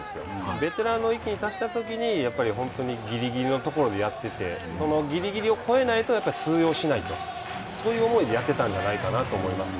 ベテランの粋に達したときにやっぱり本当にぎりぎりのところでやっててそのぎりぎりを超えないとやっぱり通用しないとそういう思いでやってたんじゃないかと思いますね。